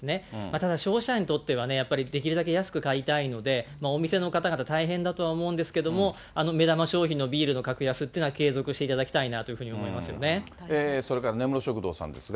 ただ、消費者にとってはね、やっぱりできるだけ安く買いたいので、お店の方々大変だとは思うんですけども、目玉商品のビールの格安っていうのは継続していただきたいなといそれから根室食堂さんですが。